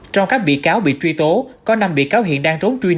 trong các bị cáo bị truy tố có năm bị cáo hiện đang rốn truyền